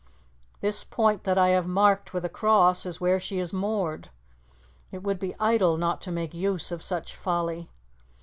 This point that I have marked with a cross is where she is moored. It would be idle not to make use of such folly!